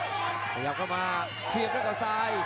พยายามเข้ามาเขียบแล้วกับทราย